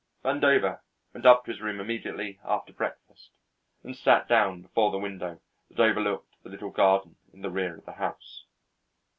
Vandover went up to his room immediately after breakfast and sat down before the window that overlooked the little garden in the rear of the house.